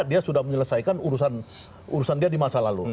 dia sudah menyelesaikan urusan dia di masa lalu